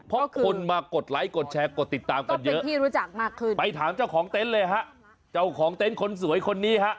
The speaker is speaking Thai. เพราะคนมากดไลค์กดแชร์กดติดตามกันเยอะที่รู้จักมากขึ้นไปถามเจ้าของเต็นต์เลยฮะเจ้าของเต็นต์คนสวยคนนี้ฮะ